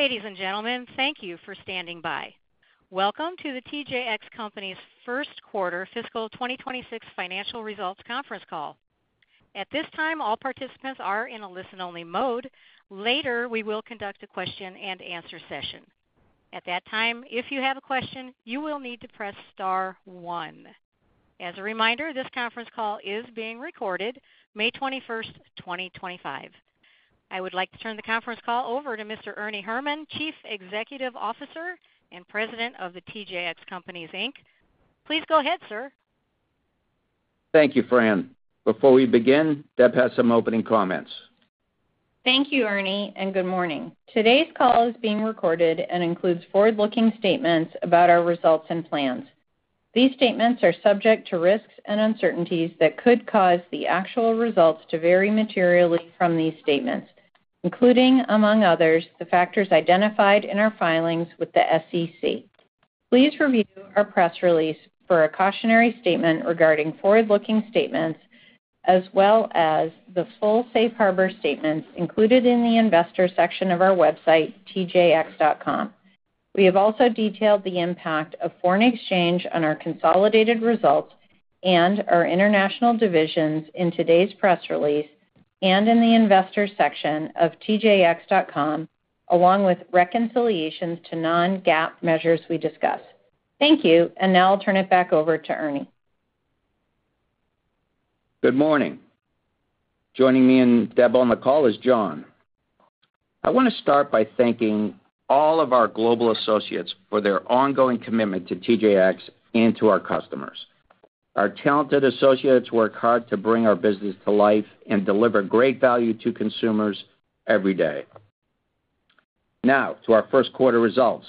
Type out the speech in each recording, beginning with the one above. Ladies and gentlemen, thank you for standing by. Welcome to the TJX Companies' first quarter fiscal 2026 financial results conference call. At this time, all participants are in a listen-only mode. Later, we will conduct a question-and-answer session. At that time, if you have a question, you will need to press star one. As a reminder, this conference call is being recorded, May 21st, 2025. I would like to turn the conference call over to Mr. Ernie Herrman, Chief Executive Officer and President of the TJX Companies. Please go ahead, sir. Thank you, Fran. Before we begin, Deb has some opening comments. Thank you, Ernie, and good morning. Today's call is being recorded and includes forward-looking statements about our results and plans. These statements are subject to risks and uncertainties that could cause the actual results to vary materially from these statements, including, among others, the factors identified in our filings with the SEC. Please review our press release for a cautionary statement regarding forward-looking statements, as well as the full Safe Harbor statements included in the investor section of our website, TJX.com. We have also detailed the impact of foreign exchange on our consolidated results and our international divisions in today's press release and in the investor section of TJX.com, along with reconciliations to non-GAAP measures we discuss. Thank you, and now I'll turn it back over to Ernie. Good morning. Joining me and Deb on the call is John. I want to start by thanking all of our global associates for their ongoing commitment to TJX and to our customers. Our talented associates work hard to bring our business to life and deliver great value to consumers every day. Now, to our first quarter results.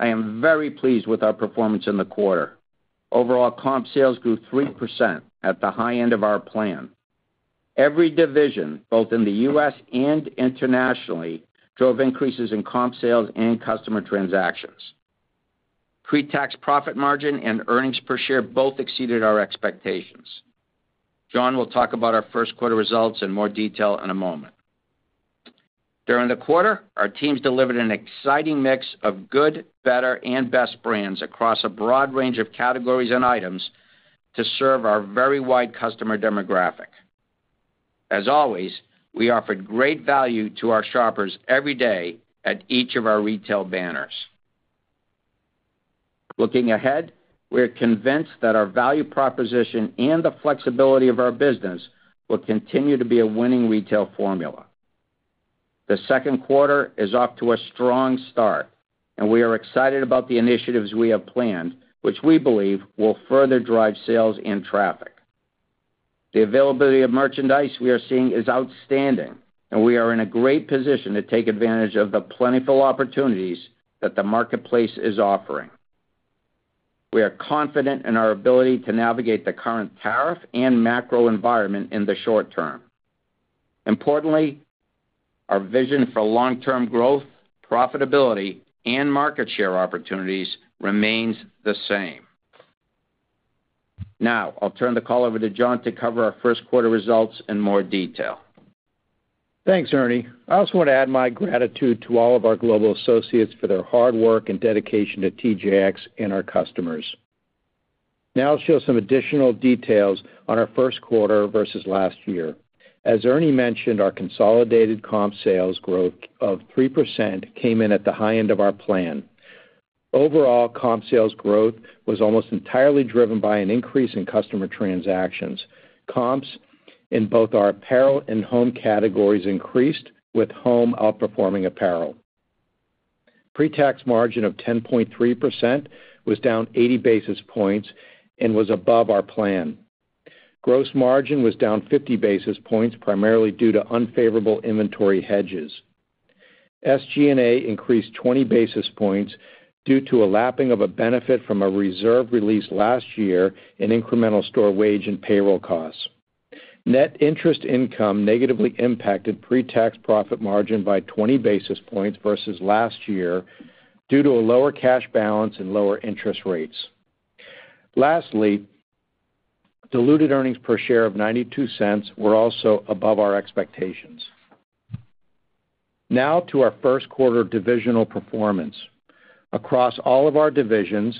I am very pleased with our performance in the quarter. Overall comp sales grew 3% at the high end of our plan. Every division, both in the U.S. and internationally, drove increases in comp sales and customer transactions. Pre-tax profit margin and earnings per share both exceeded our expectations. John will talk about our first quarter results in more detail in a moment. During the quarter, our teams delivered an exciting mix of good, better, and best brands across a broad range of categories and items to serve our very wide customer demographic. As always, we offered great value to our shoppers every day at each of our retail banners. Looking ahead, we're convinced that our value proposition and the flexibility of our business will continue to be a winning retail formula. The second quarter is off to a strong start, and we are excited about the initiatives we have planned, which we believe will further drive sales and traffic. The availability of merchandise we are seeing is outstanding, and we are in a great position to take advantage of the plentiful opportunities that the marketplace is offering. We are confident in our ability to navigate the current tariff and macro environment in the short term. Importantly, our vision for long-term growth, profitability, and market share opportunities remains the same. Now, I'll turn the call over to John to cover our first quarter results in more detail. Thanks, Ernie. I also want to add my gratitude to all of our global associates for their hard work and dedication to TJX and our customers. Now, I'll share some additional details on our first quarter versus last year. As Ernie mentioned, our consolidated comp sales growth of 3% came in at the high end of our plan. Overall, comp sales growth was almost entirely driven by an increase in customer transactions. Comps in both our apparel and home categories increased, with home outperforming apparel. Pre-tax margin of 10.3% was down 80 basis points and was above our plan. Gross margin was down 50 basis points, primarily due to unfavorable inventory hedges. SG&A increased 20 basis points due to a lapping of a benefit from a reserve released last year in incremental store wage and payroll costs. Net interest income negatively impacted pre-tax profit margin by 20 basis points versus last year due to a lower cash balance and lower interest rates. Lastly, diluted earnings per share of $0.92 were also above our expectations. Now, to our first quarter divisional performance. Across all of our divisions,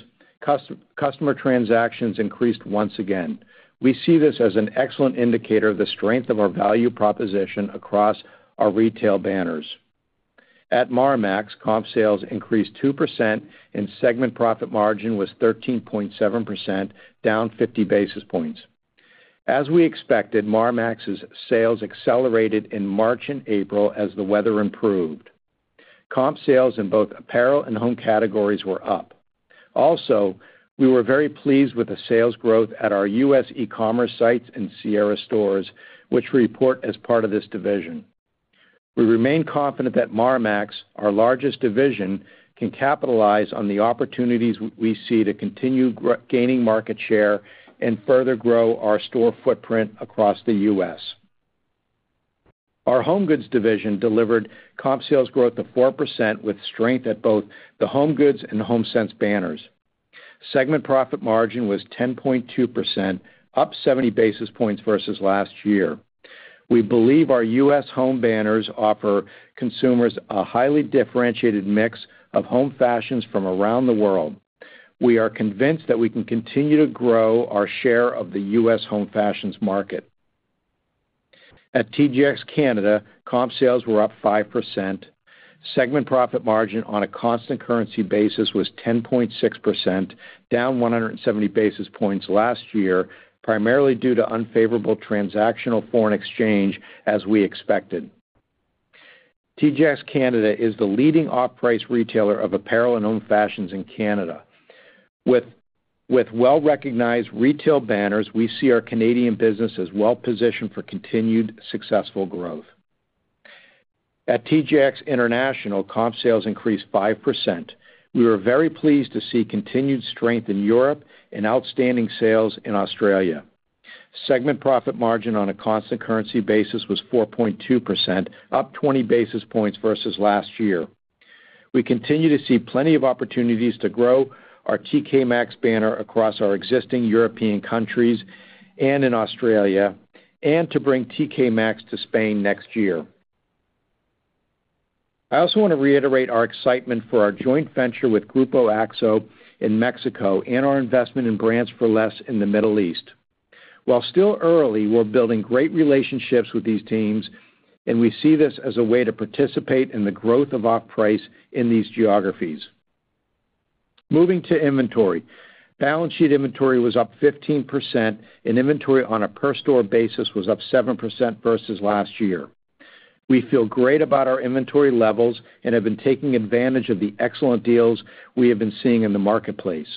customer transactions increased once again. We see this as an excellent indicator of the strength of our value proposition across our retail banners. At Marmaxx, comp sales increased 2% and segment profit margin was 13.7%, down 50 basis points. As we expected, Marmaxx's sales accelerated in March and April as the weather improved. Comp sales in both apparel and home categories were up. Also, we were very pleased with the sales growth at our U.S. e-commerce sites and Sierra stores, which we report as part of this division. We remain confident that Marmaxx, our largest division, can capitalize on the opportunities we see to continue gaining market share and further grow our store footprint across the U.S. Our HomeGoods division delivered comp sales growth of 4% with strength at both the HomeGoods and HomeSense banners. Segment profit margin was 10.2%, up 70 basis points versus last year. We believe our U.S. home banners offer consumers a highly differentiated mix of home fashions from around the world. We are convinced that we can continue to grow our share of the U.S. home fashions market. At TJX Canada, comp sales were up 5%. Segment profit margin on a constant currency basis was 10.6%, down 170 basis points last year, primarily due to unfavorable transactional foreign exchange, as we expected. TJX Canada is the leading off-price retailer of apparel and home fashions in Canada. With well-recognized retail banners, we see our Canadian business as well-positioned for continued successful growth. At TJX International, comp sales increased 5%. We were very pleased to see continued strength in Europe and outstanding sales in Australia. Segment profit margin on a constant currency basis was 4.2%, up 20 basis points versus last year. We continue to see plenty of opportunities to grow our TK Maxx banner across our existing European countries and in Australia, and to bring TK Maxx to Spain next year. I also want to reiterate our excitement for our joint venture with Grupo Axo in Mexico and our investment in Brands for Less in the Middle East. While still early, we're building great relationships with these teams, and we see this as a way to participate in the growth of off-price in these geographies. Moving to inventory. Balance sheet inventory was up 15%, and inventory on a per-store basis was up 7% versus last year. We feel great about our inventory levels and have been taking advantage of the excellent deals we have been seeing in the marketplace.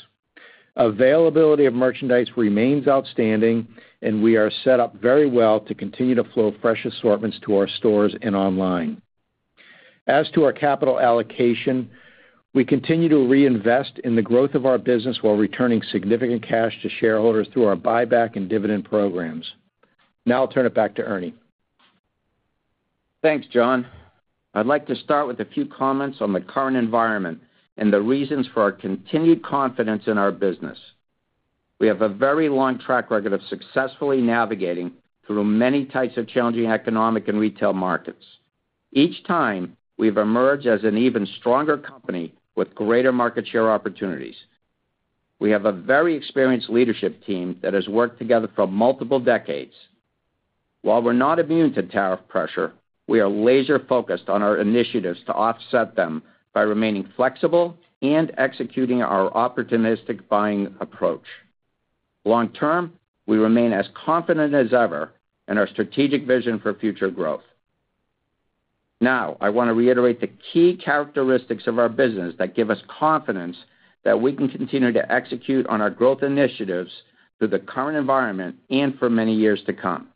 Availability of merchandise remains outstanding, and we are set up very well to continue to flow fresh assortments to our stores and online. As to our capital allocation, we continue to reinvest in the growth of our business while returning significant cash to shareholders through our buyback and dividend programs. Now, I'll turn it back to Ernie. Thanks, John. I'd like to start with a few comments on the current environment and the reasons for our continued confidence in our business. We have a very long track record of successfully navigating through many types of challenging economic and retail markets. Each time, we've emerged as an even stronger company with greater market share opportunities. We have a very experienced leadership team that has worked together for multiple decades. While we're not immune to tariff pressure, we are laser-focused on our initiatives to offset them by remaining flexible and executing our opportunistic buying approach. Long-term, we remain as confident as ever in our strategic vision for future growth. Now, I want to reiterate the key characteristics of our business that give us confidence that we can continue to execute on our growth initiatives through the current environment and for many years to come.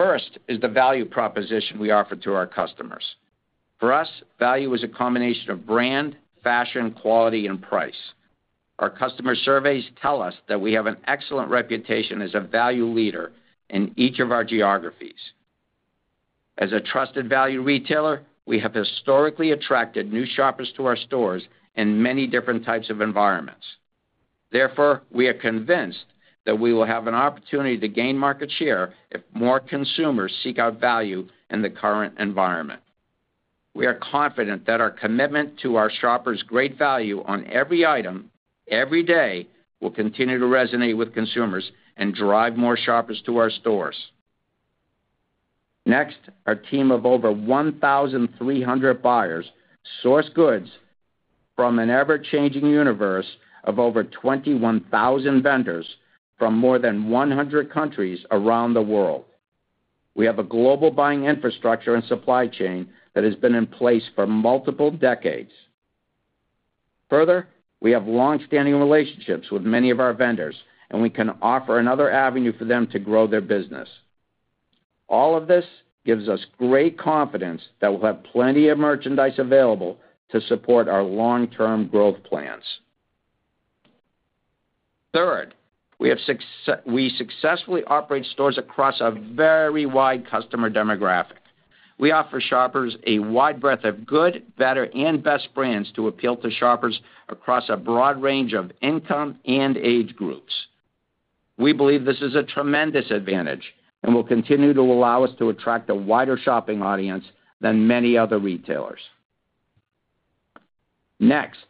First is the value proposition we offer to our customers. For us, value is a combination of brand, fashion, quality, and price. Our customer surveys tell us that we have an excellent reputation as a value leader in each of our geographies. As a trusted value retailer, we have historically attracted new shoppers to our stores in many different types of environments. Therefore, we are convinced that we will have an opportunity to gain market share if more consumers seek out value in the current environment. We are confident that our commitment to our shoppers' great value on every item, every day, will continue to resonate with consumers and drive more shoppers to our stores. Next, our team of over 1,300 buyers source goods from an ever-changing universe of over 21,000 vendors from more than 100 countries around the world. We have a global buying infrastructure and supply chain that has been in place for multiple decades. Further, we have long-standing relationships with many of our vendors, and we can offer another avenue for them to grow their business. All of this gives us great confidence that we'll have plenty of merchandise available to support our long-term growth plans. Third, we successfully operate stores across a very wide customer demographic. We offer shoppers a wide breadth of good, better, and best brands to appeal to shoppers across a broad range of income and age groups. We believe this is a tremendous advantage and will continue to allow us to attract a wider shopping audience than many other retailers. Next,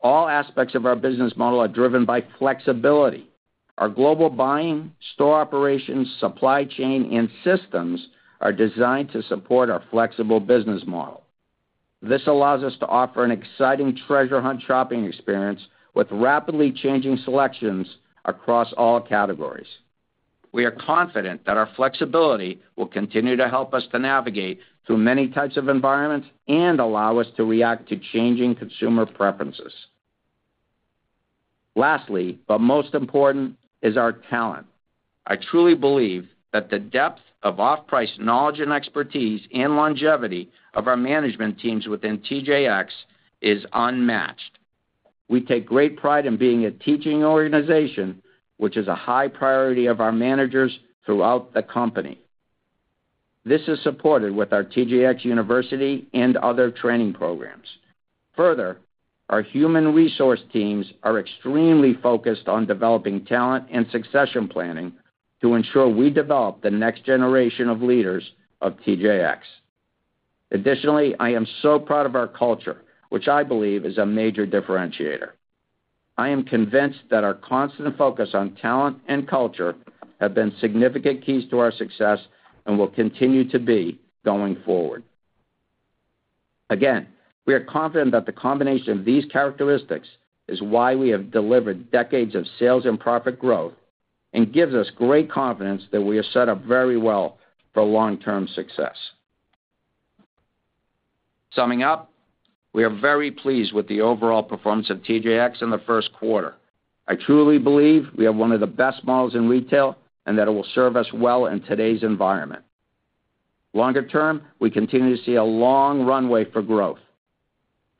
all aspects of our business model are driven by flexibility. Our global buying, store operations, supply chain, and systems are designed to support our flexible business model. This allows us to offer an exciting treasure hunt shopping experience with rapidly changing selections across all categories. We are confident that our flexibility will continue to help us to navigate through many types of environments and allow us to react to changing consumer preferences. Lastly, but most important, is our talent. I truly believe that the depth of off-price knowledge and expertise and longevity of our management teams within TJX is unmatched. We take great pride in being a teaching organization, which is a high priority of our managers throughout the company. This is supported with our TJX University and other training programs. Further, our human resource teams are extremely focused on developing talent and succession planning to ensure we develop the next generation of leaders of TJX. Additionally, I am so proud of our culture, which I believe is a major differentiator. I am convinced that our constant focus on talent and culture have been significant keys to our success and will continue to be going forward. Again, we are confident that the combination of these characteristics is why we have delivered decades of sales and profit growth and gives us great confidence that we are set up very well for long-term success. Summing up, we are very pleased with the overall performance of TJX in the first quarter. I truly believe we have one of the best models in retail and that it will serve us well in today's environment. Longer term, we continue to see a long runway for growth.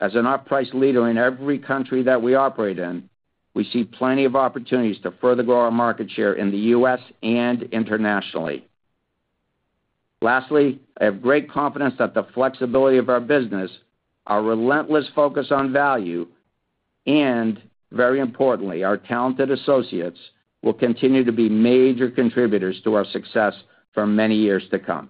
As an off-price leader in every country that we operate in, we see plenty of opportunities to further grow our market share in the U.S. and internationally. Lastly, I have great confidence that the flexibility of our business, our relentless focus on value, and, very importantly, our talented associates will continue to be major contributors to our success for many years to come.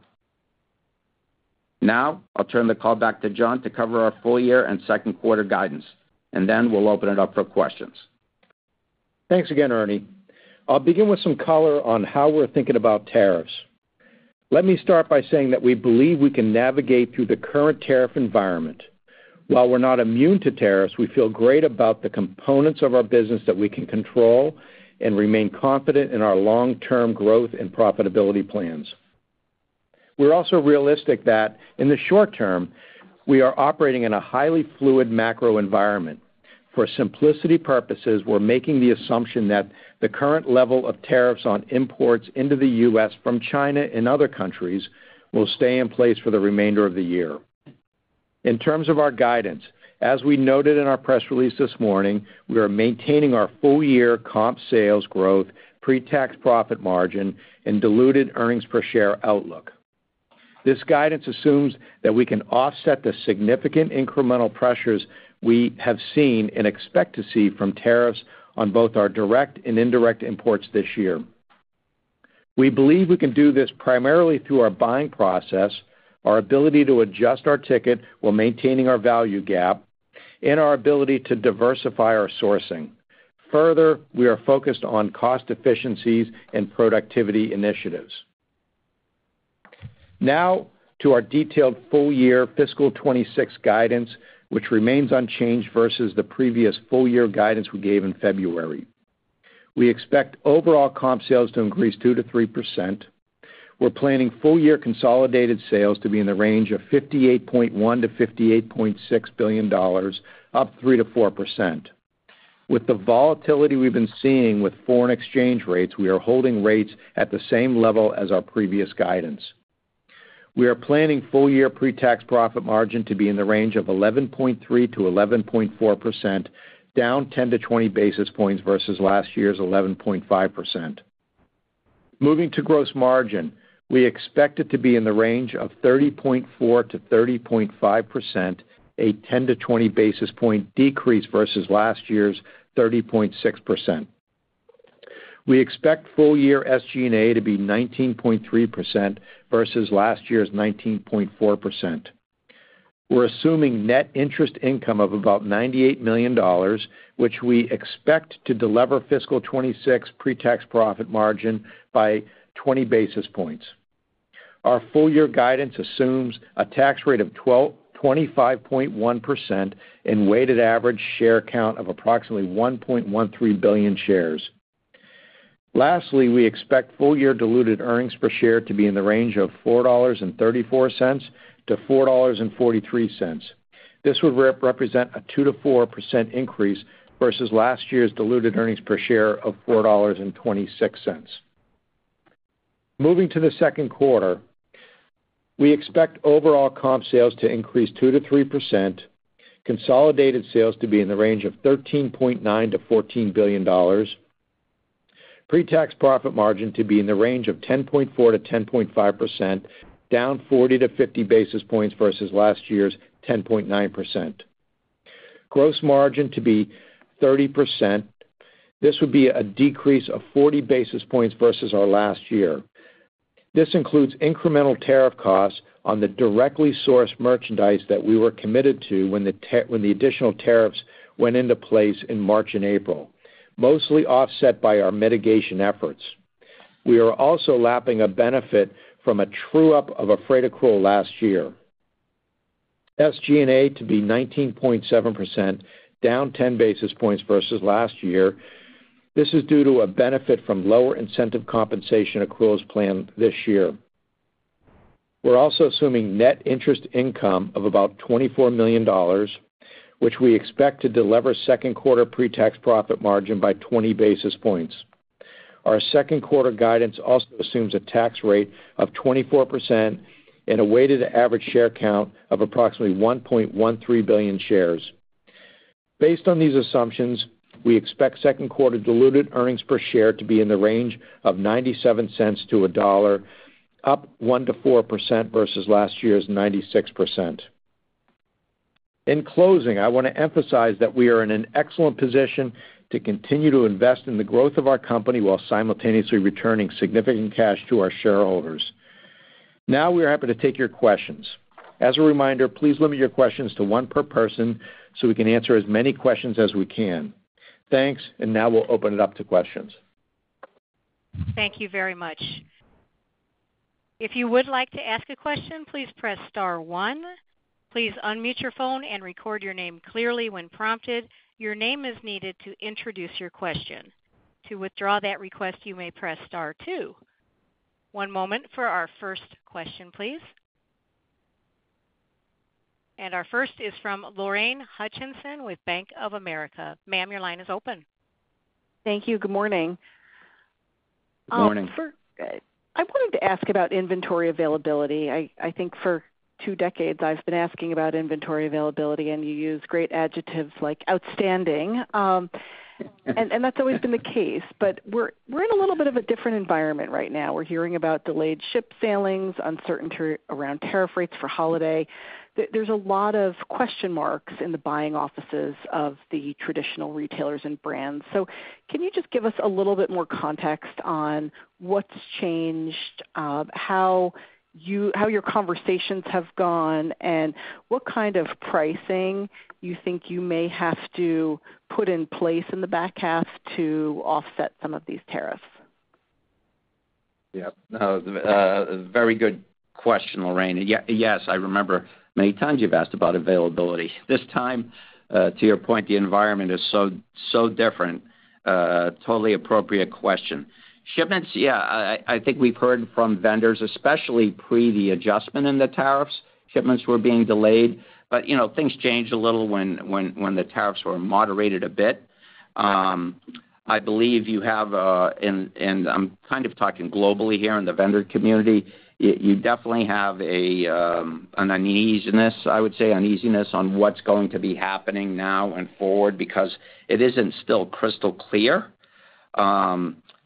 Now, I'll turn the call back to John to cover our full year and second quarter guidance, and then we'll open it up for questions. Thanks again, Ernie. I'll begin with some color on how we're thinking about tariffs. Let me start by saying that we believe we can navigate through the current tariff environment. While we're not immune to tariffs, we feel great about the components of our business that we can control and remain confident in our long-term growth and profitability plans. We're also realistic that in the short term, we are operating in a highly fluid macro environment. For simplicity purposes, we're making the assumption that the current level of tariffs on imports into the U.S. from China and other countries will stay in place for the remainder of the year. In terms of our guidance, as we noted in our press release this morning, we are maintaining our full-year comp sales growth, pre-tax profit margin, and diluted earnings per share outlook. This guidance assumes that we can offset the significant incremental pressures we have seen and expect to see from tariffs on both our direct and indirect imports this year. We believe we can do this primarily through our buying process, our ability to adjust our ticket while maintaining our value gap, and our ability to diversify our sourcing. Further, we are focused on cost efficiencies and productivity initiatives. Now, to our detailed full-year fiscal 2026 guidance, which remains unchanged versus the previous full-year guidance we gave in February. We expect overall comp sales to increase 2-3%. We're planning full-year consolidated sales to be in the range of $58.1 billion-$58.6 billion, up 3-4%. With the volatility we've been seeing with foreign exchange rates, we are holding rates at the same level as our previous guidance. We are planning full-year pre-tax profit margin to be in the range of 11.3%-11.4%, down 10-20 basis points versus last year's 11.5%. Moving to gross margin, we expect it to be in the range of 30.4%-30.5%, a 10-20 basis point decrease versus last year's 30.6%. We expect full-year SG&A to be 19.3% versus last year's 19.4%. We're assuming net interest income of about $98 million, which we expect to deliver fiscal 2026 pre-tax profit margin by 20 basis points. Our full-year guidance assumes a tax rate of 25.1% and weighted average share count of approximately 1.13 billion shares. Lastly, we expect full-year diluted earnings per share to be in the range of $4.34-$4.43. This would represent a 2%-4% increase versus last year's diluted earnings per share of $4.26. Moving to the second quarter, we expect overall comp sales to increase 2-3%, consolidated sales to be in the range of $13.9-$14 billion, pre-tax profit margin to be in the range of 10.4-10.5%, down 40-50 basis points versus last year's 10.9%. Gross margin to be 30%. This would be a decrease of 40 basis points versus our last year. This includes incremental tariff costs on the directly sourced merchandise that we were committed to when the additional tariffs went into place in March and April, mostly offset by our mitigation efforts. We are also lapping a benefit from a true-up of a freight accrual last year. SG&A to be 19.7%, down 10 basis points versus last year. This is due to a benefit from lower incentive compensation accruals planned this year. We're also assuming net interest income of about $24 million, which we expect to deliver second quarter pre-tax profit margin by 20 basis points. Our second quarter guidance also assumes a tax rate of 24% and a weighted average share count of approximately 1.13 billion shares. Based on these assumptions, we expect second quarter diluted earnings per share to be in the range of $0.97-$1.00, up 1%-4% versus last year's $0.96. In closing, I want to emphasize that we are in an excellent position to continue to invest in the growth of our company while simultaneously returning significant cash to our shareholders. Now, we are happy to take your questions. As a reminder, please limit your questions to one per person so we can answer as many questions as we can. Thanks, and now we'll open it up to questions. Thank you very much. If you would like to ask a question, please press star one. Please unmute your phone and record your name clearly when prompted. Your name is needed to introduce your question. To withdraw that request, you may press star two. One moment for our first question, please. Our first is from Lorraine Hutchinson with Bank of America. Ma'am, your line is open. Thank you. Good morning. Good morning. I wanted to ask about inventory availability. I think for two decades, I've been asking about inventory availability, and you use great adjectives like outstanding. That's always been the case. We're in a little bit of a different environment right now. We're hearing about delayed ship sailings, uncertainty around tariff rates for holiday. There are a lot of question marks in the buying offices of the traditional retailers and brands. Can you just give us a little bit more context on what's changed, how your conversations have gone, and what kind of pricing you think you may have to put in place in the back half to offset some of these tariffs? Yep. No, very good question, Lorraine. Yes, I remember many times you've asked about availability. This time, to your point, the environment is so different. Totally appropriate question. Shipments, yeah, I think we've heard from vendors, especially pre the adjustment in the tariffs, shipments were being delayed. Things changed a little when the tariffs were moderated a bit. I believe you have, and I'm kind of talking globally here in the vendor community, you definitely have an uneasiness, I would say, uneasiness on what's going to be happening now and forward because it isn't still crystal clear.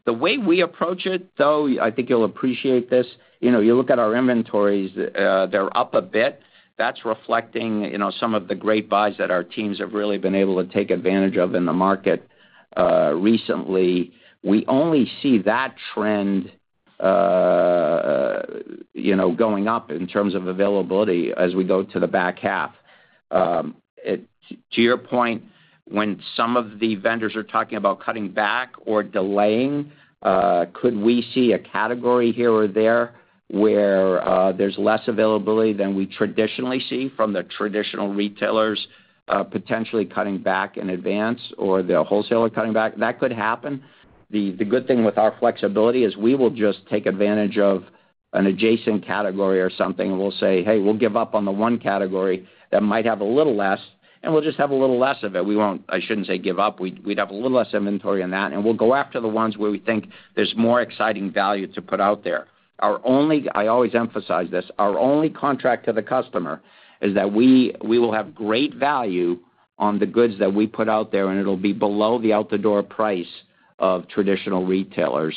The way we approach it, though, I think you'll appreciate this. You look at our inventories, they're up a bit. That's reflecting some of the great buys that our teams have really been able to take advantage of in the market recently. We only see that trend going up in terms of availability as we go to the back half. To your point, when some of the vendors are talking about cutting back or delaying, could we see a category here or there where there's less availability than we traditionally see from the traditional retailers potentially cutting back in advance or the wholesaler cutting back? That could happen. The good thing with our flexibility is we will just take advantage of an adjacent category or something, and we'll say, "Hey, we'll give up on the one category that might have a little less, and we'll just have a little less of it." We won't, I shouldn't say give up. We'd have a little less inventory in that, and we'll go after the ones where we think there's more exciting value to put out there. I always emphasize this. Our only contract to the customer is that we will have great value on the goods that we put out there, and it'll be below the out-the-door price of traditional retailers,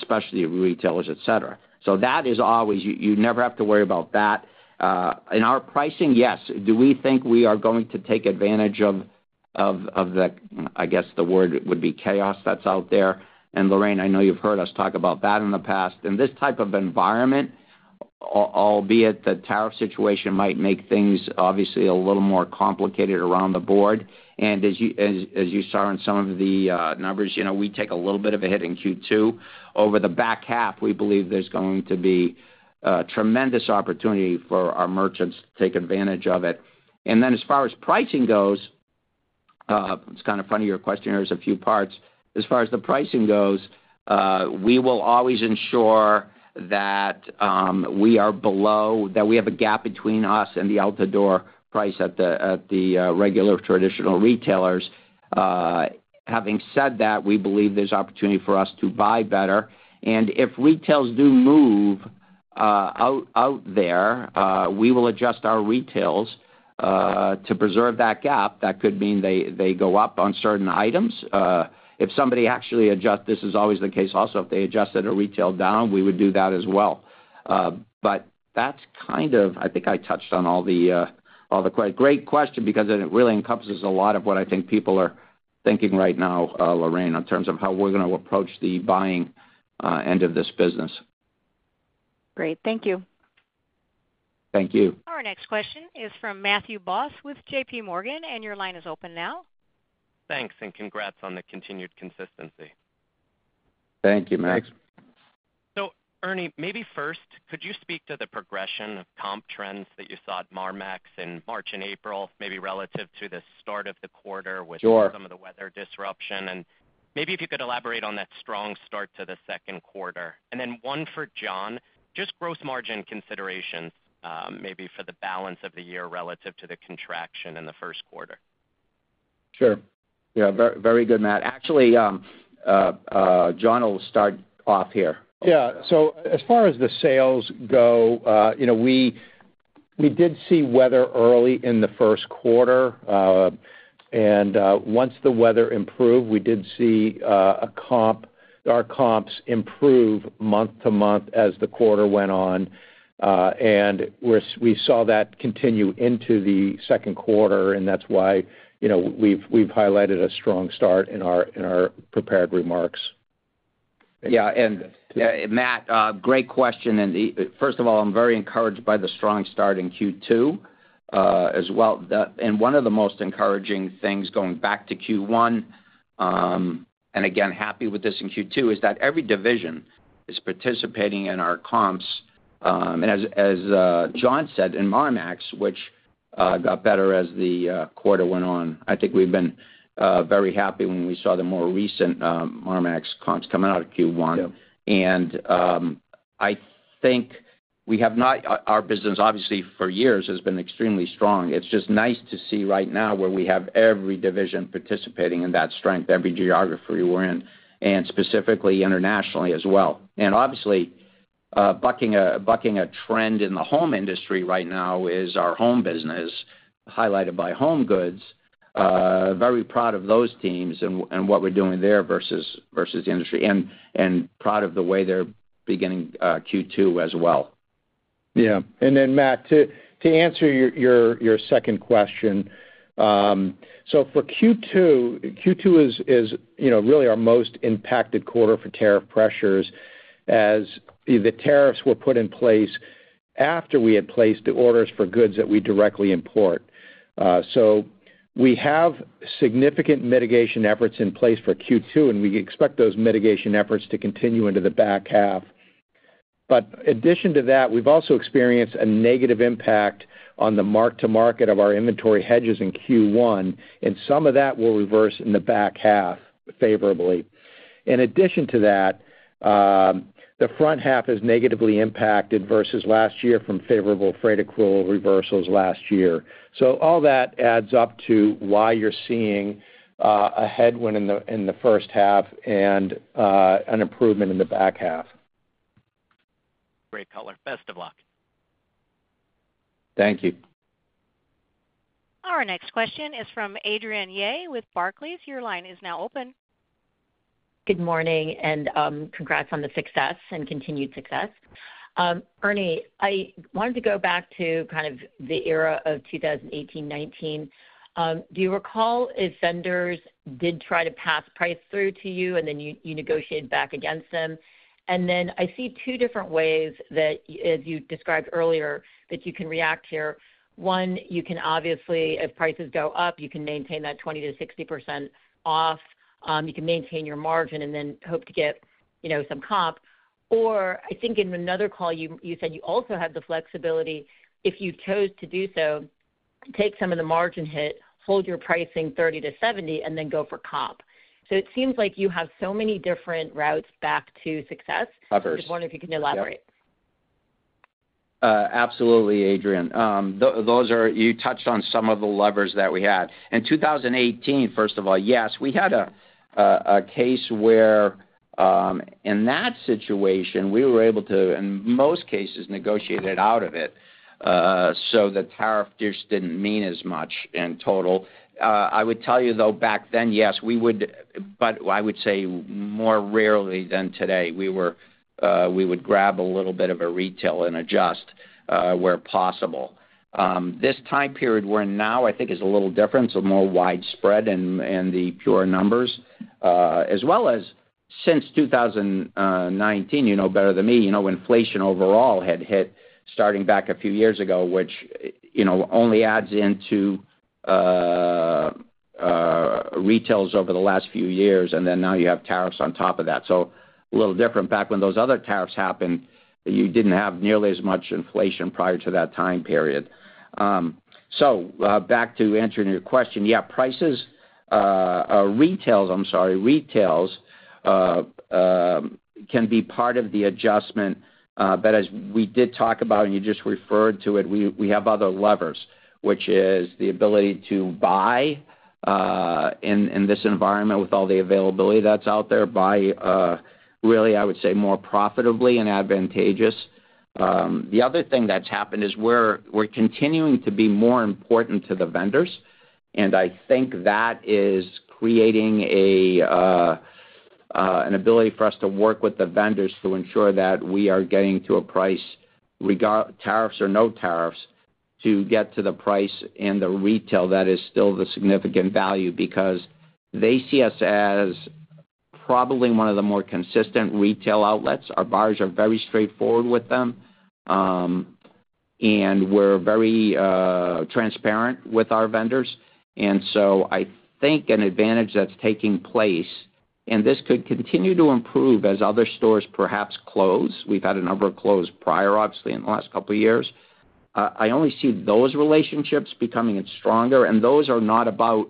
specialty retailers, etc. That is always, you never have to worry about that. In our pricing, yes. Do we think we are going to take advantage of the, I guess the word would be chaos that's out there? Lorraine, I know you've heard us talk about that in the past. In this type of environment, albeit the tariff situation might make things obviously a little more complicated around the board. As you saw in some of the numbers, we take a little bit of a hit in Q2. Over the back half, we believe there's going to be tremendous opportunity for our merchants to take advantage of it. As far as pricing goes, it's kind of funny your question, there's a few parts. As far as the pricing goes, we will always ensure that we are below, that we have a gap between us and the out-the-door price at the regular traditional retailers. Having said that, we believe there's opportunity for us to buy better. If retails do move out there, we will adjust our retails to preserve that gap. That could mean they go up on certain items. If somebody actually adjusts, this is always the case. Also, if they adjusted a retail down, we would do that as well. I think I touched on all the great question because it really encompasses a lot of what I think people are thinking right now, Lorraine, in terms of how we're going to approach the buying end of this business. Great. Thank you. Thank you. Our next question is from Matthew Boss with JPMorgan, and your line is open now. Thanks, and congrats on the continued consistency. Thank you, Max. Thanks. Ernie, maybe first, could you speak to the progression of comp trends that you saw at Marmaxx in March and April, maybe relative to the start of the quarter with some of the weather disruption? If you could elaborate on that strong start to the second quarter. One for John, just gross margin considerations, maybe for the balance of the year relative to the contraction in the first quarter. Sure. Yeah. Very good, Matt. Actually, John will start off here. Yeah. As far as the sales go, we did see weather early in the first quarter. Once the weather improved, we did see our comps improve month to month as the quarter went on. We saw that continue into the second quarter, and that's why we've highlighted a strong start in our prepared remarks. Yeah. Matt, great question. First of all, I'm very encouraged by the strong start in Q2 as well. One of the most encouraging things going back to Q1, and again, happy with this in Q2, is that every division is participating in our comps. As John said, in Marmaxx, which got better as the quarter went on, I think we've been very happy when we saw the more recent Marmaxx comps coming out of Q1. I think we have not, our business, obviously, for years has been extremely strong. It's just nice to see right now where we have every division participating in that strength, every geography we're in, and specifically internationally as well. Obviously, bucking a trend in the home industry right now is our home business, highlighted by HomeGoods. Very proud of those teams and what we're doing there versus the industry, and proud of the way they're beginning Q2 as well. Yeah. Matt, to answer your second question, for Q2, Q2 is really our most impacted quarter for tariff pressures as the tariffs were put in place after we had placed the orders for goods that we directly import. We have significant mitigation efforts in place for Q2, and we expect those mitigation efforts to continue into the back half. In addition to that, we have also experienced a negative impact on the mark-to-market of our inventory hedges in Q1, and some of that will reverse in the back half favorably. In addition to that, the front half is negatively impacted versus last year from favorable freight accrual reversals last year. All that adds up to why you are seeing a headwind in the first half and an improvement in the back half. Great color. Best of luck. Thank you. Our next question is from Adrienne Yih with Barclays. Your line is now open. Good morning, and congrats on the success and continued success. Ernie, I wanted to go back to kind of the era of 2018, 2019. Do you recall if vendors did try to pass price through to you, and then you negotiated back against them? I see two different ways that, as you described earlier, that you can react here. One, you can obviously, if prices go up, you can maintain that 20%-60% off. You can maintain your margin and then hope to get some comp. I think in another call, you said you also had the flexibility, if you chose to do so, take some of the margin hit, hold your pricing 30%-70%, and then go for comp. It seems like you have so many different routes back to success. Levers. I just wonder if you can elaborate. Absolutely, Adrienne. You touched on some of the levers that we had. In 2018, first of all, yes, we had a case where, in that situation, we were able to, in most cases, negotiate it out of it so the tariff just did not mean as much in total. I would tell you, though, back then, yes, we would, but I would say more rarely than today. We would grab a little bit of a retail and adjust where possible. This time period we are in now, I think, is a little different, so more widespread in the pure numbers. As well as since 2019, you know better than me, inflation overall had hit starting back a few years ago, which only adds into retails over the last few years, and then now you have tariffs on top of that. A little different. Back when those other tariffs happened, you did not have nearly as much inflation prior to that time period. To answer your question, yeah, prices, retails, I'm sorry, retails can be part of the adjustment. As we did talk about, and you just referred to it, we have other levers, which is the ability to buy in this environment with all the availability that is out there, buy really, I would say, more profitably and advantageous. The other thing that has happened is we are continuing to be more important to the vendors, and I think that is creating an ability for us to work with the vendors to ensure that we are getting to a price, tariffs or no tariffs, to get to the price and the retail that is still the significant value because they see us as probably one of the more consistent retail outlets. Our buyers are very straightforward with them, and we're very transparent with our vendors. I think an advantage that's taking place, and this could continue to improve as other stores perhaps close. We've had a number of closed prior, obviously, in the last couple of years. I only see those relationships becoming stronger, and those are not about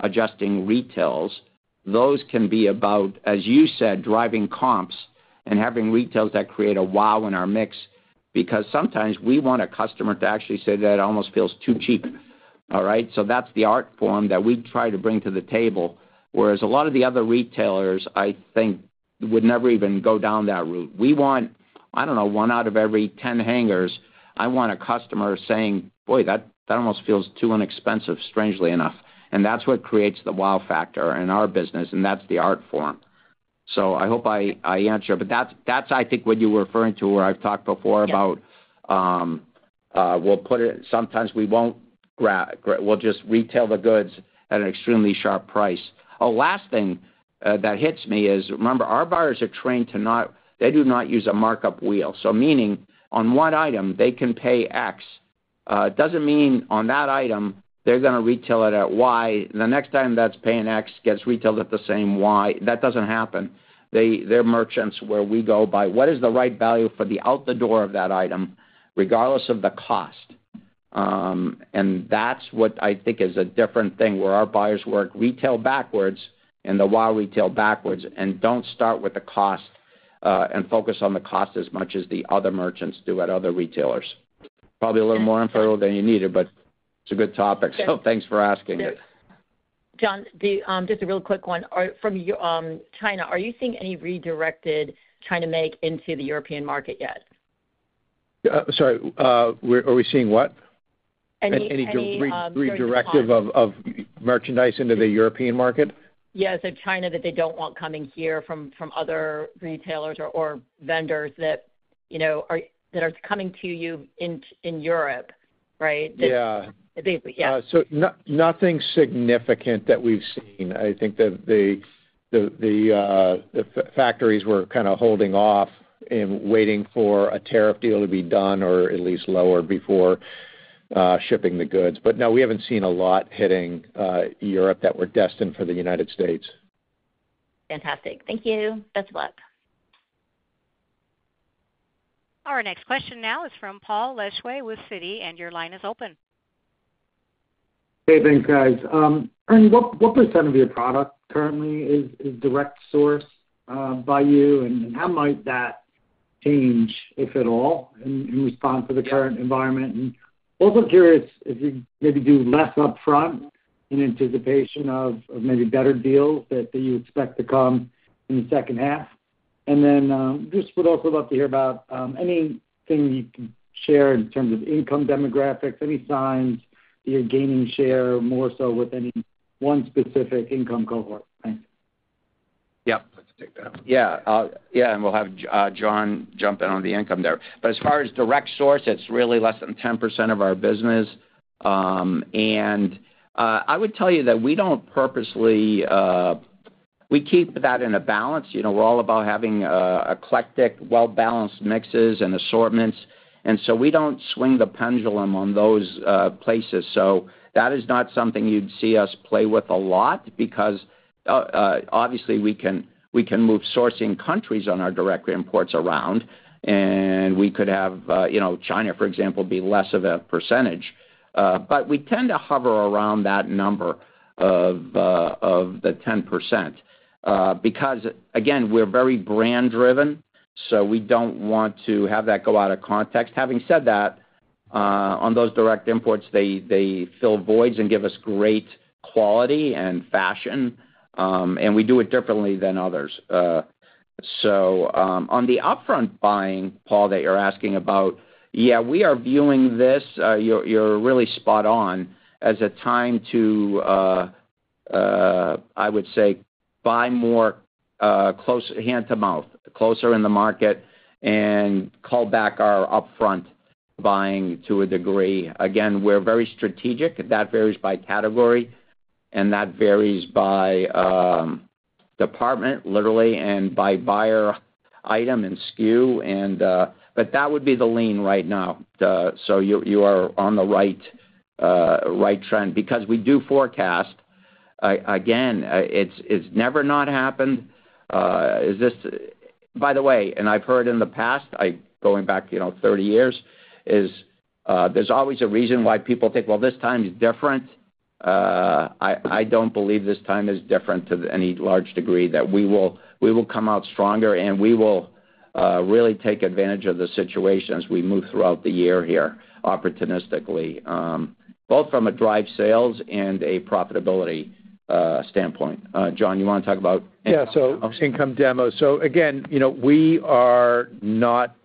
adjusting retails. Those can be about, as you said, driving comps and having retails that create a wow in our mix because sometimes we want a customer to actually say that it almost feels too cheap, all right? That's the art form that we try to bring to the table, whereas a lot of the other retailers, I think, would never even go down that route. We want, I don't know, one out of every 10 hangers, I want a customer saying, "Boy, that almost feels too inexpensive," strangely enough. That is what creates the wow factor in our business, and that is the art form. I hope I answered. That is, I think, what you were referring to where I've talked before about we'll put it, sometimes we won't grab; we'll just retail the goods at an extremely sharp price. A last thing that hits me is, remember, our buyers are trained to not, they do not use a markup wheel. Meaning on one item, they can pay X. It doesn't mean on that item, they're going to retail it at Y. The next time that's paying X gets retailed at the same Y. That doesn't happen. They're merchants where we go by what is the right value for the out-the-door of that item, regardless of the cost. That is what I think is a different thing where our buyers work retail backwards and the wow retail backwards and do not start with the cost and focus on the cost as much as the other merchants do at other retailers. Probably a little more informal than you needed, but it is a good topic. Thanks for asking it. John, just a real quick one. From China, are you seeing any redirected China make into the European market yet? Sorry. Are we seeing what? Any direct redirect? Redirective of merchandise into the European market? Yeah. So China that they don't want coming here from other retailers or vendors that are coming to you in Europe, right? Yeah. Basically, yeah. Nothing significant that we've seen. I think that the factories were kind of holding off and waiting for a tariff deal to be done or at least lower before shipping the goods. No, we haven't seen a lot hitting Europe that were destined for the United States. Fantastic. Thank you. Best of luck. Our next question now is from Paul Lejuez with Citi, and your line is open. Hey, thanks, guys. Ernie, what percentage of your product currently is direct source by you, and how might that change, if at all, in response to the current environment? Also curious if you maybe do less upfront in anticipation of maybe better deals that you expect to come in the second half. I would also love to hear about anything you can share in terms of income demographics, any signs that you're gaining share more so with any one specific income cohort. Thanks. Yep. Let's take that. Yeah. Yeah. We'll have John jump in on the income there. As far as direct source, it's really less than 10% of our business. I would tell you that we don't purposely—we keep that in a balance. We're all about having eclectic, well-balanced mixes and assortments. We don't swing the pendulum on those places. That is not something you'd see us play with a lot because, obviously, we can move sourcing countries on our direct imports around, and we could have China, for example, be less of a percentage. We tend to hover around that number of the 10% because, again, we're very brand-driven, so we don't want to have that go out of context. Having said that, on those direct imports, they fill voids and give us great quality and fashion, and we do it differently than others. On the upfront buying, Paul, that you're asking about, yeah, we are viewing this—you are really spot on—as a time to, I would say, buy more hand-to-mouth, closer in the market, and call back our upfront buying to a degree. Again, we are very strategic. That varies by category, and that varies by department, literally, and by buyer item and SKU. That would be the lean right now. You are on the right trend because we do forecast. Again, it has never not happened. By the way, and I've heard in the past, going back 30 years, there's always a reason why people think, "Well, this time is different." I don't believe this time is different to any large degree that we will come out stronger, and we will really take advantage of the situation as we move throughout the year here, opportunistically, both from a drive sales and a profitability standpoint. John, you want to talk about income demos? Yeah. So income demos. So again, we are not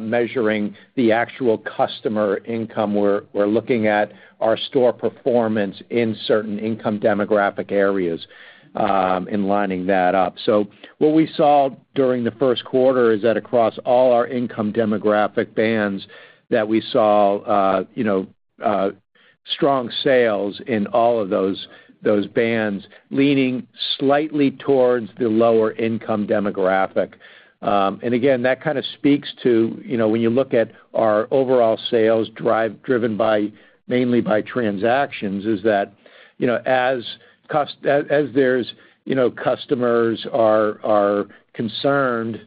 measuring the actual customer income. We're looking at our store performance in certain income demographic areas and lining that up. What we saw during the first quarter is that across all our income demographic bands we saw strong sales in all of those bands, leaning slightly towards the lower income demographic. Again, that kind of speaks to when you look at our overall sales driven mainly by transactions, as customers are concerned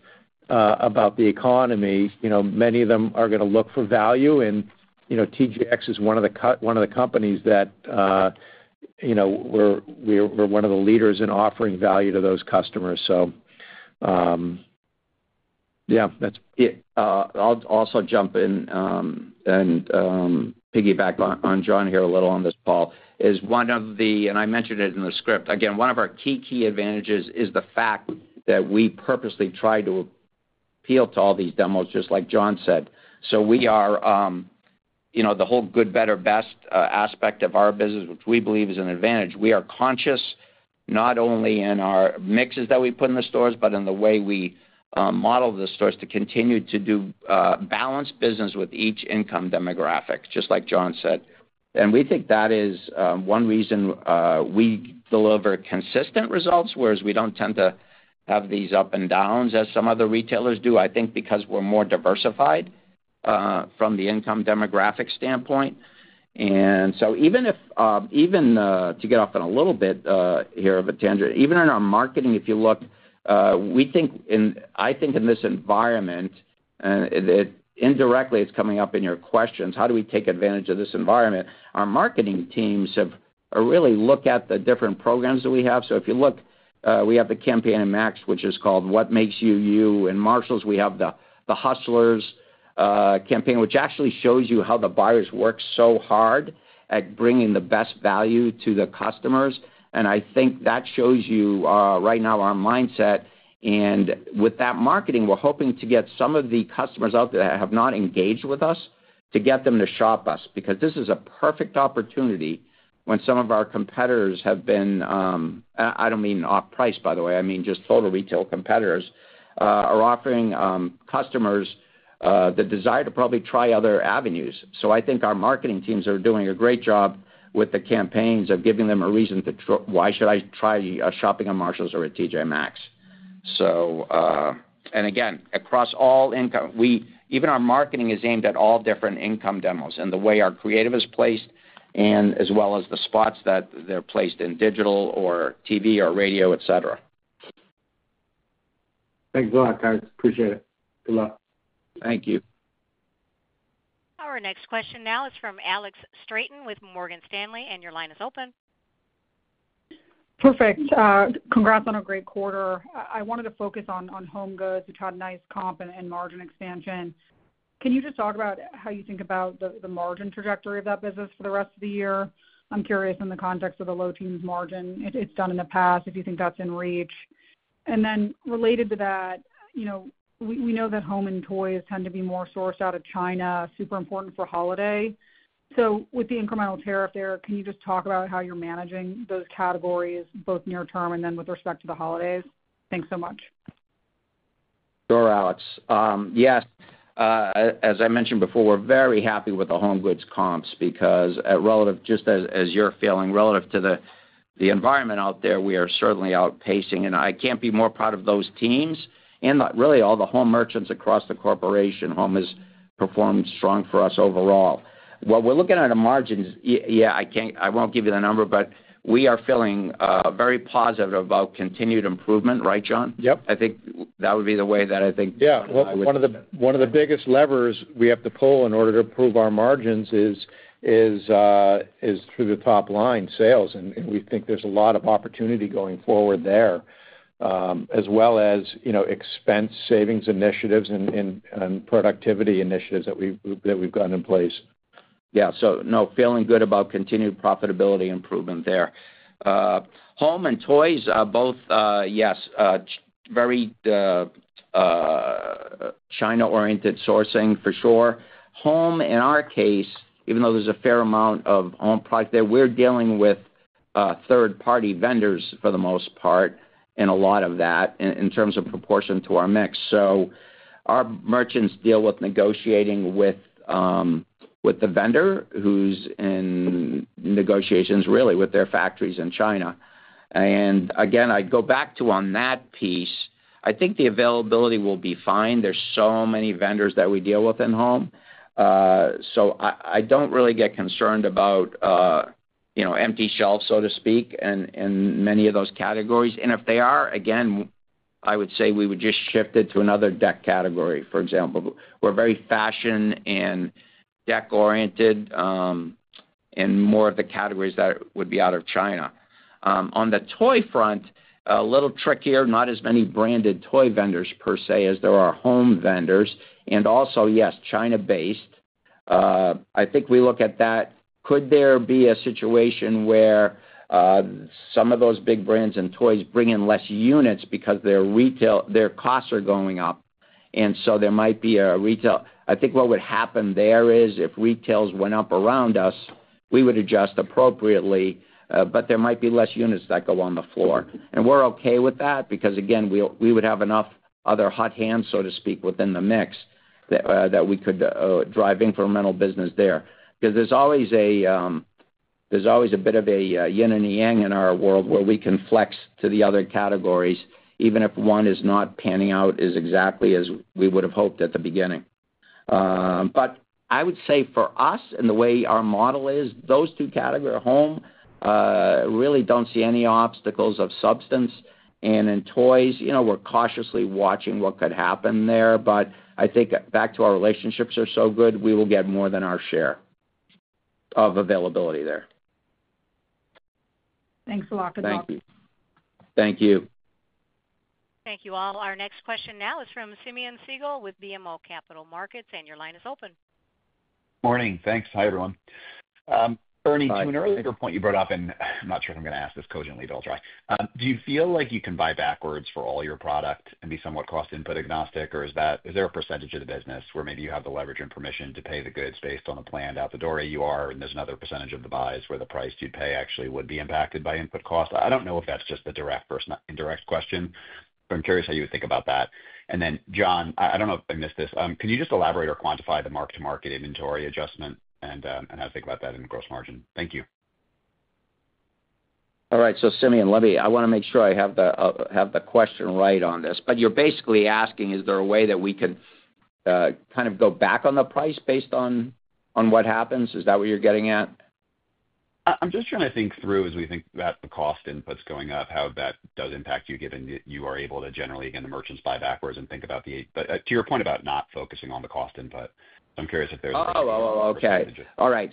about the economy, many of them are going to look for value. TJX is one of the companies that we're one of the leaders in offering value to those customers. Yeah, that's it. I'll also jump in and pick it back on John here a little on this, Paul, is one of the—and I mentioned it in the script—again, one of our key, key advantages is the fact that we purposely try to appeal to all these demos, just like John said. We are the whole good, better, best aspect of our business, which we believe is an advantage. We are conscious, not only in our mixes that we put in the stores, but in the way we model the stores to continue to do balanced business with each income demographic, just like John said. We think that is one reason we deliver consistent results, whereas we do not tend to have these up and downs as some other retailers do, I think, because we are more diversified from the income demographic standpoint. Even to get off on a little bit here of a tangent, even in our marketing, if you look, I think in this environment, and indirectly, it is coming up in your questions, how do we take advantage of this environment? Our marketing teams have really looked at the different programs that we have. If you look, we have the Campaign in Maxx, which is called What Makes You You. In Marshalls, we have the Hustlers Campaign, which actually shows you how the buyers work so hard at bringing the best value to the customers. I think that shows you right now our mindset. With that marketing, we're hoping to get some of the customers out there that have not engaged with us to get them to shop us because this is a perfect opportunity when some of our competitors have been—I don't mean off price, by the way. I mean just total retail competitors—are offering customers the desire to probably try other avenues. I think our marketing teams are doing a great job with the campaigns of giving them a reason to, "Why should I try shopping on Marshalls or at TJ Maxx?" Again, across all income, even our marketing is aimed at all different income demos and the way our creative is placed, as well as the spots that they're placed in digital or TV or radio, etc. Thanks, Ernie. I appreciate it. Good luck. Thank you. Our next question now is from Alex Straiten with Morgan Stanley, and your line is open. Perfect. Congrats on a great quarter. I wanted to focus on HomeGoods who've had nice comp and margin expansion. Can you just talk about how you think about the margin trajectory of that business for the rest of the year? I'm curious in the context of the low teens margin. It's done in the past if you think that's in reach. Related to that, we know that home and toys tend to be more sourced out of China, super important for holiday. With the incremental tariff there, can you just talk about how you're managing those categories both near term and then with respect to the holidays? Thanks so much. Sure, Alex. Yes. As I mentioned before, we're very happy with the HomeGoods comps because, just as you're feeling, relative to the environment out there, we are certainly outpacing. I can't be more proud of those teams and really all the home merchants across the corporation. Home has performed strong for us overall. While we're looking at our margins, yeah, I won't give you the number, but we are feeling very positive about continued improvement, right, John? Yep. I think that would be the way that I think. Yeah. One of the biggest levers we have to pull in order to improve our margins is through the top line sales. We think there's a lot of opportunity going forward there, as well as expense savings initiatives and productivity initiatives that we've got in place. Yeah. No, feeling good about continued profitability improvement there. Home and toys are both, yes, very China-oriented sourcing for sure. Home, in our case, even though there is a fair amount of home product there, we are dealing with third-party vendors for the most part in a lot of that in terms of proportion to our mix. Our merchants deal with negotiating with the vendor who is in negotiations, really, with their factories in China. I go back to on that piece, I think the availability will be fine. There are so many vendors that we deal with in home. I do not really get concerned about empty shelves, so to speak, in many of those categories. If they are, again, I would say we would just shift it to another deck category, for example. We're very fashion and deck-oriented in more of the categories that would be out of China. On the toy front, a little trickier. Not as many branded toy vendors per se as there are home vendors. Also, yes, China-based. I think we look at that. Could there be a situation where some of those big brands in toys bring in less units because their costs are going up? There might be a retail. I think what would happen there is if retails went up around us, we would adjust appropriately, but there might be less units that go on the floor. We're okay with that because, again, we would have enough other hot hands, so to speak, within the mix that we could drive incremental business there. There's always a bit of a yin and a yang in our world where we can flex to the other categories, even if one is not panning out exactly as we would have hoped at the beginning. I would say for us and the way our model is, those two categories, home, really do not see any obstacles of substance. In toys, we're cautiously watching what could happen there. I think back to our relationships are so good, we will get more than our share of availability there. Thanks a lot. Good luck. Thank you.. Thank you all. Our next question now is from Simeon Siegel with BMO Capital Markets, and your line is open. Morning. Thanks. Hi, everyone. Ernie, to an earlier point you brought up, and I'm not sure if I'm going to ask this cogently, but I'll try. Do you feel like you can buy backwards for all your product and be somewhat cost-input agnostic, or is there a percentage of the business where maybe you have the leverage and permission to pay the goods based on the planned out the door AUR, and there's another percentage of the buys where the price you'd pay actually would be impacted by input cost? I don't know if that's just a direct or indirect question, but I'm curious how you would think about that. And then, John, I don't know if I missed this. Can you just elaborate or quantify the mark-to-market inventory adjustment and how to think about that in gross margin? Thank you. All right. Simeon, let me—I want to make sure I have the question right on this. You're basically asking, is there a way that we can kind of go back on the price based on what happens? Is that what you're getting at? I'm just trying to think through, as we think about the cost inputs going up, how that does impact you, given that you are able to generally, again, the merchants buy backwards and think about the—to your point about not focusing on the cost input. I'm curious if there's a way to. Oh, okay. All right.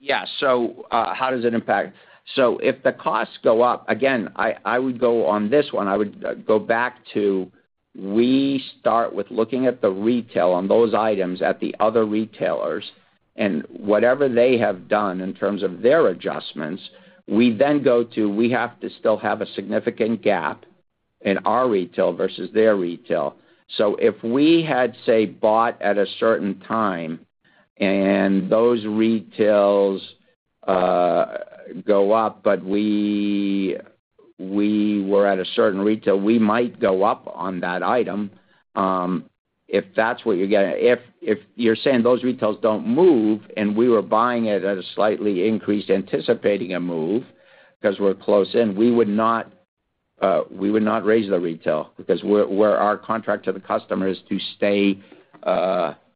Yeah. How does it impact? If the costs go up, again, I would go on this one. I would go back to we start with looking at the retail on those items at the other retailers, and whatever they have done in terms of their adjustments, we then go to we have to still have a significant gap in our retail versus their retail. If we had, say, bought at a certain time and those retails go up, but we were at a certain retail, we might go up on that item if that's what you're getting. If you're saying those retails do not move and we were buying it at a slightly increased anticipating a move because we're close in, we would not raise the retail because our contract to the customer is to stay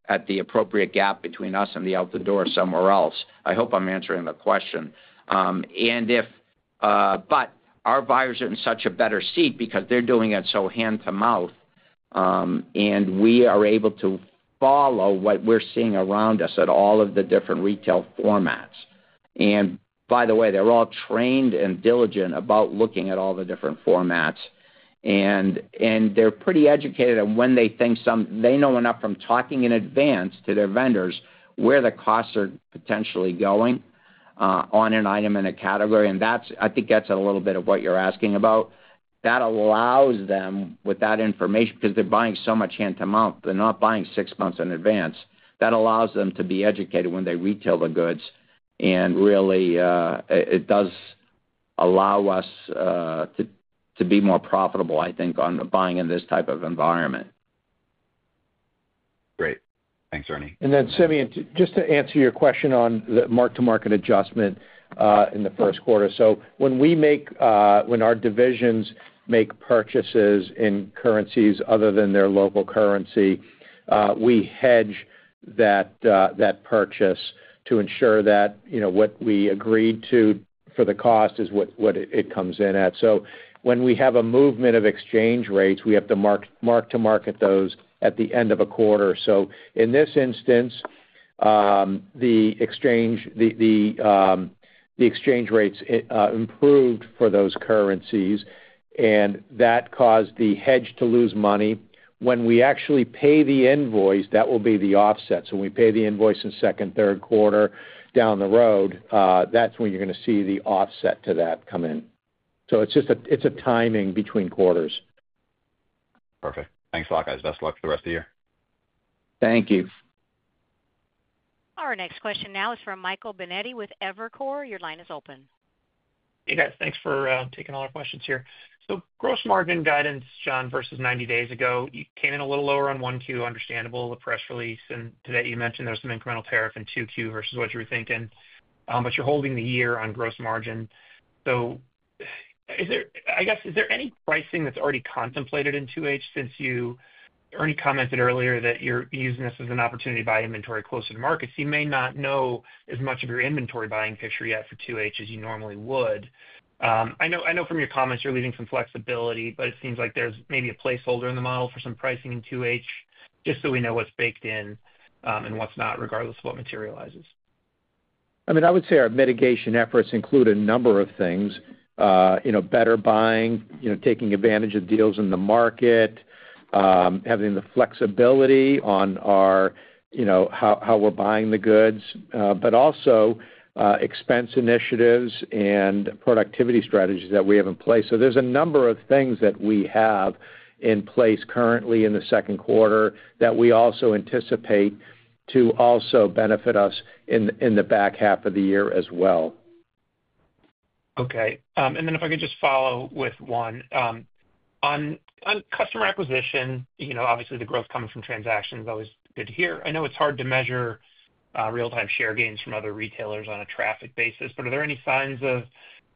at the appropriate gap between us and the out the door somewhere else. I hope I'm answering the question. If our buyers are in such a better seat because they're doing it so hand-to-mouth, and we are able to follow what we're seeing around us at all of the different retail formats. By the way, they're all trained and diligent about looking at all the different formats. They're pretty educated on when they think some—they know enough from talking in advance to their vendors where the costs are potentially going on an item in a category. I think that's a little bit of what you're asking about. That allows them, with that information, because they're buying so much hand-to-mouth, they're not buying six months in advance. That allows them to be educated when they retail the goods. It does allow us to be more profitable, I think, on buying in this type of environment. Great. Thanks, Ernie. Simeon, just to answer your question on the mark-to-market adjustment in the first quarter. When our divisions make purchases in currencies other than their local currency, we hedge that purchase to ensure that what we agreed to for the cost is what it comes in at. When we have a movement of exchange rates, we have to mark-to-market those at the end of a quarter. In this instance, the exchange rates improved for those currencies, and that caused the hedge to lose money. When we actually pay the invoice, that will be the offset. When we pay the invoice in second, third quarter down the road, that is when you are going to see the offset to that come in. It is a timing between quarters. Perfect. Thanks a lot, guys. Best of luck for the rest of the year. Thank you. Our next question now is from Michael Binetti with Evercore. Your line is open. Hey, guys. Thanks for taking all our questions here. So gross margin guidance, John, versus 90 days ago, you came in a little lower on 1Q. Understandable. The press release and today you mentioned there was some incremental tariff in 2Q versus what you were thinking, but you're holding the year on gross margin. I guess, is there any pricing that's already contemplated in 2H since you—Ernie commented earlier that you're using this as an opportunity to buy inventory closer to market. You may not know as much of your inventory buying picture yet for 2H as you normally would. I know from your comments you're leaving some flexibility, but it seems like there's maybe a placeholder in the model for some pricing in 2H, just so we know what's baked in and what's not, regardless of what materializes? I mean, I would say our mitigation efforts include a number of things: better buying, taking advantage of deals in the market, having the flexibility on how we're buying the goods, but also expense initiatives and productivity strategies that we have in place. There are a number of things that we have in place currently in the second quarter that we also anticipate to also benefit us in the back half of the year as well. Okay. If I could just follow with one. On customer acquisition, obviously the growth coming from transactions is always good to hear. I know it's hard to measure real-time share gains from other retailers on a traffic basis, but are there any signs of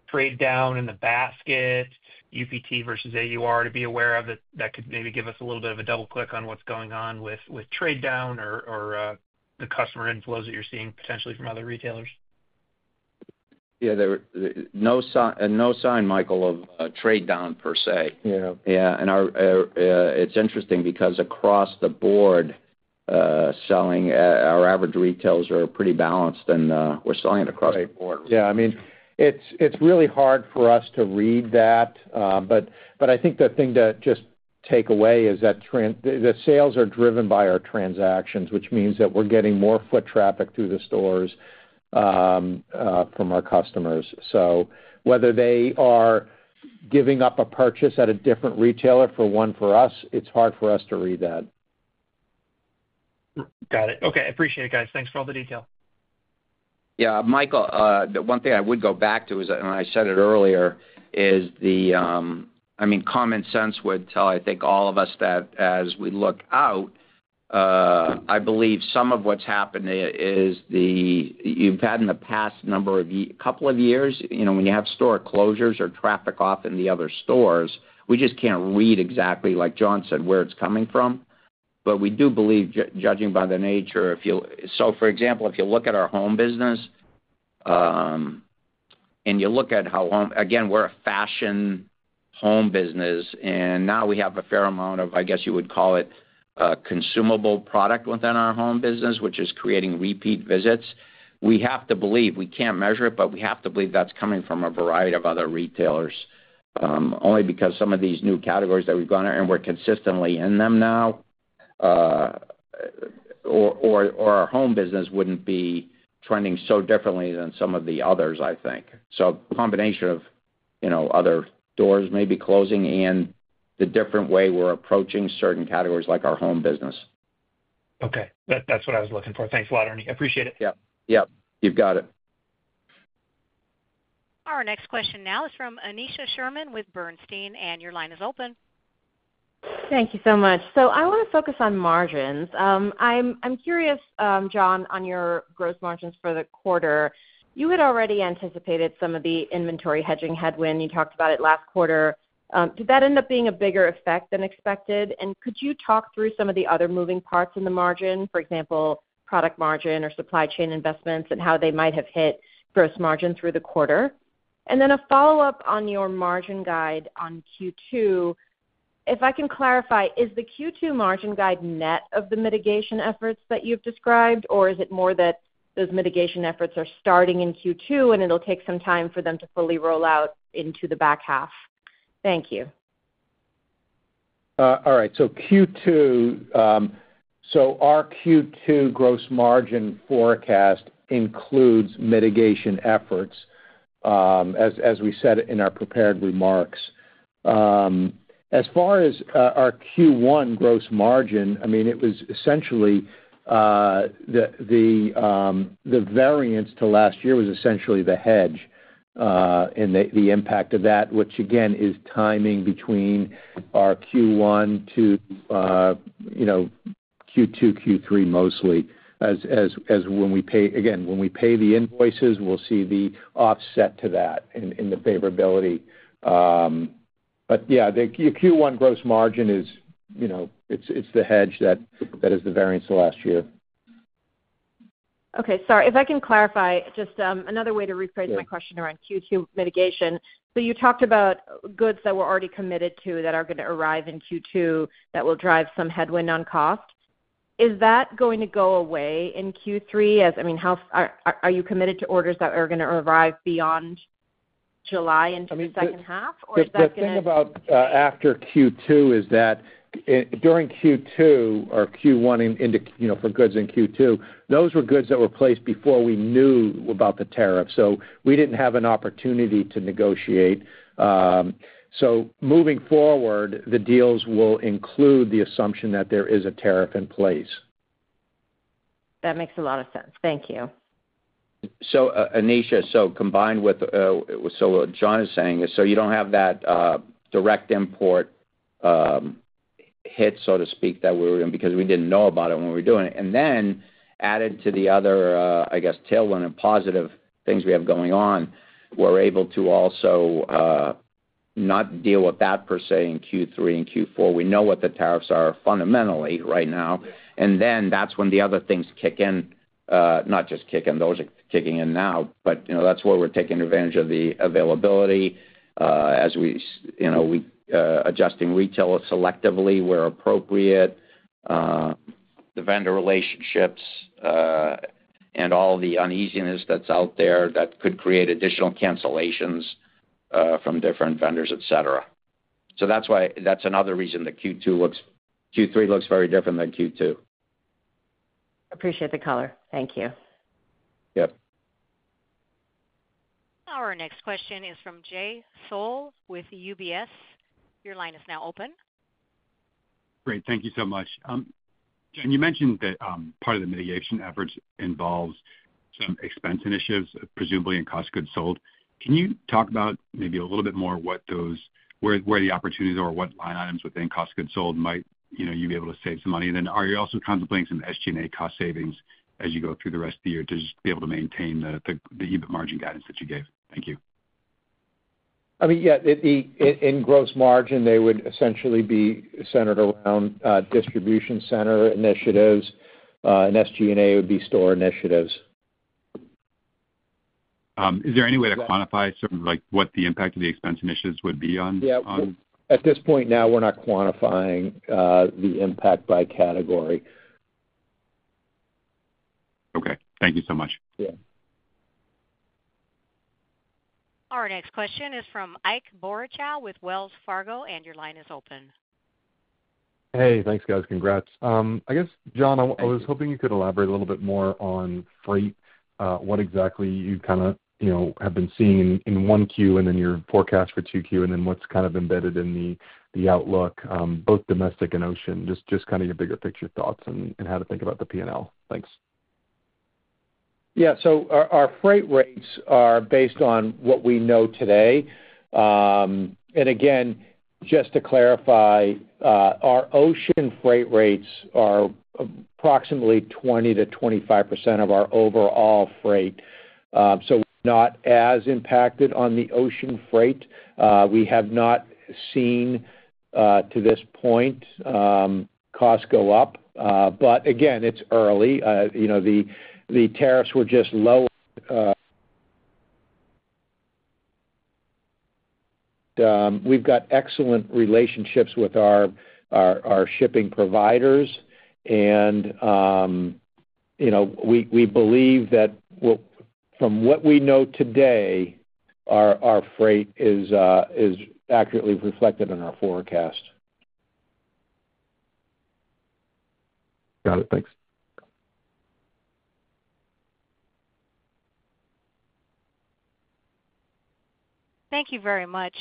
trade down in the basket, UPT versus AUR, to be aware of that could maybe give us a little bit of a double-click on what's going on with trade down or the customer inflows that you're seeing potentially from other retailers? Yeah. No sign, Michael, of trade down per se. Yeah. It's interesting because across the board, our average retailers are pretty balanced, and we're selling it across the board. Yeah. I mean, it's really hard for us to read that, but I think the thing to just take away is that the sales are driven by our transactions, which means that we're getting more foot traffic through the stores from our customers. Whether they are giving up a purchase at a different retailer for one for us, it's hard for us to read that. Got it. Okay. Appreciate it, guys. Thanks for all the detail. Yeah. Michael, the one thing I would go back to is, and I said it earlier, is the—I mean, common sense would tell, I think, all of us that as we look out, I believe some of what's happened is you've had in the past number of couple of years, when you have store closures or traffic off in the other stores, we just can't read exactly, like John said, where it's coming from. We do believe, judging by the nature of—so, for example, if you look at our home business and you look at how home—again, we're a fashion home business, and now we have a fair amount of, I guess you would call it, consumable product within our home business, which is creating repeat visits. We have to believe—we can't measure it, but we have to believe that's coming from a variety of other retailers only because some of these new categories that we've gone out and we're consistently in them now, or our home business wouldn't be trending so differently than some of the others, I think. A combination of other stores maybe closing and the different way we're approaching certain categories like our home business. Okay. That's what I was looking for. Thanks a lot, Ernie. Appreciate it. Yep. Yep. You've got it. Our next question now is from Aneesha Sherman with Bernstein, and your line is open. Thank you so much. I want to focus on margins. I'm curious, John, on your gross margins for the quarter. You had already anticipated some of the inventory hedging headwind. You talked about it last quarter. Did that end up being a bigger effect than expected? Could you talk through some of the other moving parts in the margin, for example, product margin or supply chain investments and how they might have hit gross margin through the quarter? A follow-up on your margin guide on Q2. If I can clarify, is the Q2 margin guide net of the mitigation efforts that you've described, or is it more that those mitigation efforts are starting in Q2 and it'll take some time for them to fully roll out into the back half? Thank you. All right. Q2, our Q2 gross margin forecast includes mitigation efforts, as we said in our prepared remarks. As far as our Q1 gross margin, I mean, it was essentially the variance to last year was essentially the hedge and the impact of that, which again is timing between our Q1 to Q2, Q3 mostly. When we pay—again, when we pay the invoices, we'll see the offset to that in the favorability. Yeah, the Q1 gross margin is—it's the hedge that is the variance last year. Okay. Sorry. If I can clarify, just another way to rephrase my question around Q2 mitigation. You talked about goods that were already committed to that are going to arrive in Q2 that will drive some headwind on cost. Is that going to go away in Q3? I mean, are you committed to orders that are going to arrive beyond July into the second half, or is that going to? The thing about after Q2 is that during Q2 or Q1 for goods in Q2, those were goods that were placed before we knew about the tariff. So we did not have an opportunity to negotiate. Moving forward, the deals will include the assumption that there is a tariff in place. That makes a lot of sense. Thank you. Aneesha, combined with what John is saying, you do not have that direct import hit, so to speak, that we were in because we did not know about it when we were doing it. Added to the other, I guess, tailwind and positive things we have going on, we are able to also not deal with that per se in Q3 and Q4. We know what the tariffs are fundamentally right now. That is when the other things kick in, not just kick in. Those are kicking in now, but that is where we are taking advantage of the availability as we are adjusting retail selectively where appropriate, the vendor relationships, and all the uneasiness that is out there that could create additional cancellations from different vendors, etc. That is why that is another reason the Q3 looks very different than Q2. Appreciate the color. Thank you. Yep. Our next question is from Jay Sol with UBS. Your line is now open. Great. Thank you so much. You mentioned that part of the mitigation efforts involves some expense initiatives, presumably in cost of goods sold. Can you talk about maybe a little bit more what those—where the opportunities are, what line items within cost of goods sold might you be able to save some money? Are you also contemplating some SG&A cost savings as you go through the rest of the year to just be able to maintain the EBIT margin guidance that you gave? Thank you. I mean, yeah. In gross margin, they would essentially be centered around distribution center initiatives, and SG&A would be store initiatives. Is there any way to quantify sort of what the impact of the expense initiatives would be on? At this point now, we're not quantifying the impact by category. Okay. Thank you so much. Yeah. Our next question is from Ike Boruchow with Wells Fargo, and your line is open. Hey. Thanks, guys. Congrats. I guess, John, I was hoping you could elaborate a little bit more on freight, what exactly you kind of have been seeing in 1Q and then your forecast for 2Q, and then what's kind of embedded in the outlook, both domestic and ocean, just kind of your bigger picture thoughts and how to think about the P&L. Thanks. Yeah. Our freight rates are based on what we know today. And again, just to clarify, our ocean freight rates are approximately 20%-25% of our overall freight. We are not as impacted on the ocean freight. We have not seen to this point cost go up. But again, it is early. The tariffs were just lower. We have excellent relationships with our shipping providers, and we believe that from what we know today, our freight is accurately reflected in our forecast. Got it. Thanks. Thank you very much.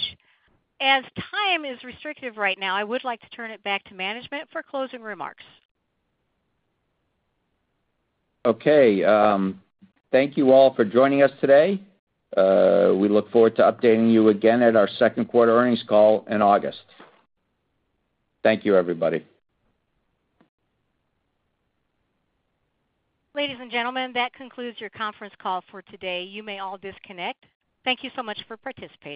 As time is restrictive right now, I would like to turn it back to management for closing remarks. Okay. Thank you all for joining us today. We look forward to updating you again at our second quarter earnings call in August. Thank you, everybody. Ladies and gentlemen, that concludes your conference call for today. You may all disconnect. Thank you so much for participating.